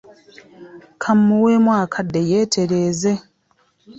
Ka mmuweemu akadde yeetereeze.